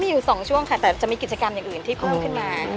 มีอยู่๒ช่วงค่ะแต่จะมีกิจกรรมอย่างอื่นที่เพิ่มขึ้นมา